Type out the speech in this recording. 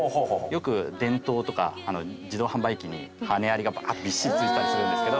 よく電灯とか自動販売機に羽アリがびっしりついてたりするんですけど。